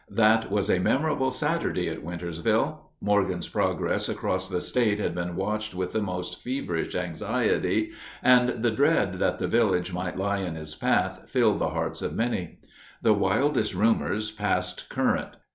That was a memorable Saturday in Wintersville. Morgan's progress across the State had been watched with the most feverish anxiety, and the dread that the village might lie in his path filled the hearts of many. The wildest rumors passed current.